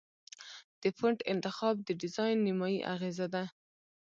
د فونټ انتخاب د ډیزاین نیمایي اغېزه ده.